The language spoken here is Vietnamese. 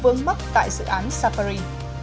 hướng mắc tại dự án safari